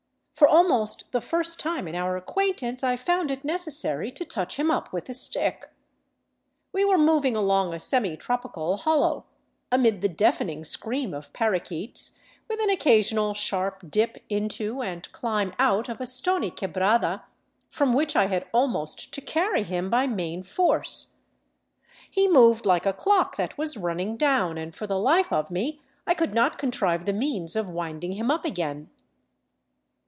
For almost the first time in our acquaintance I found it necessary to touch him up with a stick. We were moving along a semi tropical hollow, amid the deafening scream of parrakeets, with an occasional sharp dip into and climb out of a stony quebrada, from which I had almost to carry him by main force. He moved like a clock that was running down, and for the Hfe of me I could not contrive the means of winding him up again.